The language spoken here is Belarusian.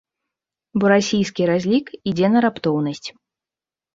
Бо расійскі разлік ідзе на раптоўнасць.